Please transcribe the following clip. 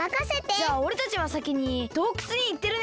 じゃあおれたちはさきにどうくつにいってるね。